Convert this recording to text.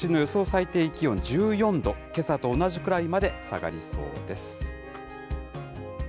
最低気温１４度、けさと同じくらいまで下がりそうです。